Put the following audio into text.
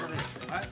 はい？